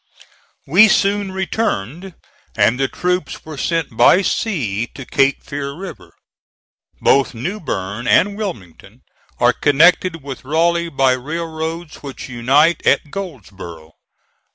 We soon returned, and the troops were sent by sea to Cape Fear River. Both New Bern and Wilmington are connected with Raleigh by railroads which unite at Goldsboro.